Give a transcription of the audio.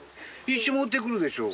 石持ってくるでしょ。